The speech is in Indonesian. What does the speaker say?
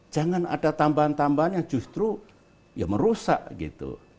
jangan ada tambahan tambahan yang justru ya merusak gitu